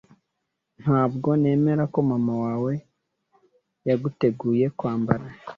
Ntabwo nemera ko mama wawe yaguteye kwambara.